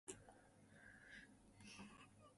It is the only mausoleum on the West Coast.